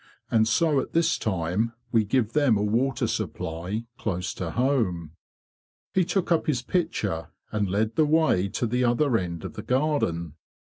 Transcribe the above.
And so at this time we give them a water supply close at home."' He took up his pitcher, and led the way to the other end of the garden.